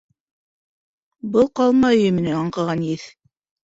Был ҡалма өйөмөнән аңҡыған еҫ...